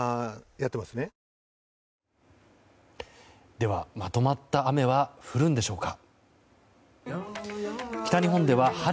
では、まとまった雨は降るんでしょうか。